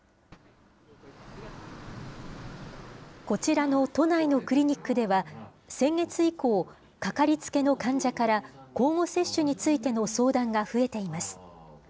こちらの都内のクリニックでは、先月以降、かかりつけの患者から交互接種についての相談が増えています。